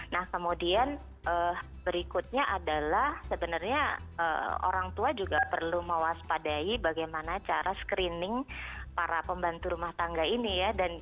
nah kemudian berikutnya adalah sebenarnya orang tua juga perlu mewaspadai bagaimana cara screening para pembantu rumah tangga ini ya